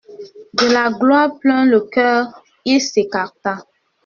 De la gloire plein le cœur, il s'écarta.